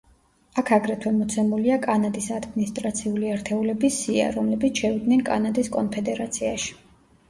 აქ აგრეთვე მოცემულია კანადის ადმინისტრაციული ერთეულების სია, რომლებიც შევიდნენ კანადის კონფედერაციაში.